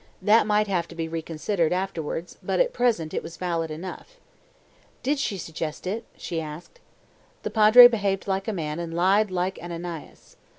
That might have to be reconsidered afterwards, but at present it was valid enough. "Did she suggest it?" she asked. The Padre behaved like a man, and lied like Ananias.